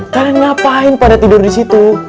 kan yang ngapain pada tidur di situ